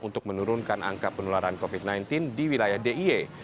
untuk menurunkan angka penularan covid sembilan belas di wilayah d i e